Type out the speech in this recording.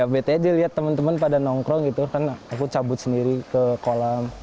btj lihat teman teman pada nongkrong gitu kan aku cabut sendiri ke kolam